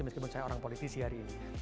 meskipun saya orang politisi hari ini